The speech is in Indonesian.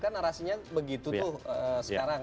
karena narasinya begitu tuh sekarang